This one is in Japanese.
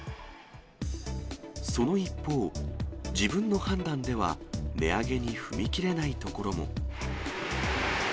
その一方、自分の判断では値上げに踏み切れない所も。